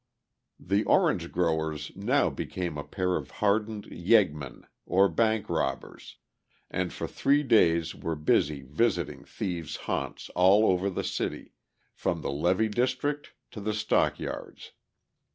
The "Orange Growers" now became a pair of hardened "yeggmen," or bank robbers, and for three days were busy visiting thieves' haunts all over the city, from the Levee district to the Stockyards.